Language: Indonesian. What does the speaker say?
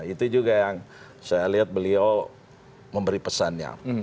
itu juga yang saya lihat beliau memberi pesannya